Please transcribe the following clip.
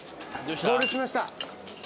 合流しました。